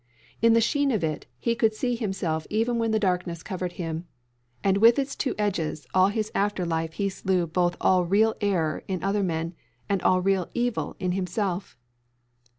In the sheen of it he could see himself even when the darkness covered him; and with its two edges all his after life he slew both all real error in other men and all real evil in himself.